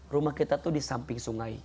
rumah kita tuh di samping sungai